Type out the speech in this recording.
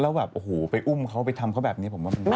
เราก็จะฆ่าใช่ไหมล่ะ